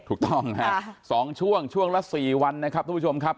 ถูกต้องนะครับ๒ช่วงช่วงละ๔วันนะครับทุกผู้ชมครับ